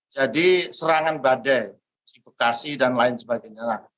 jadi serangan badai di bekasi dan lain sebagainya